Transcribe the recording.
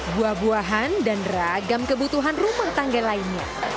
buah buahan dan ragam kebutuhan rumah tangga lainnya